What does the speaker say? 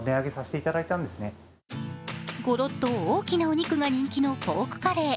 ゴロッと大きなお肉が人気のポークカレー。